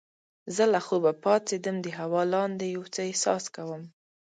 زه له خوبه پاڅیدم د هوا لاندې یو څه احساس کوم.